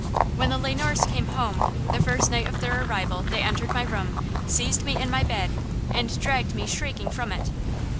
"When the Le Noirs came home, the first night of their arrival they entered my room, seized me in my bed and dragged me shrieking from it!"